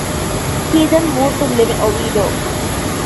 He then moved to live in Oviedo.